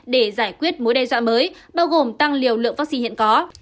để giải quyết mối đe dọa mới bao gồm tăng liều lượng vaccine hiện có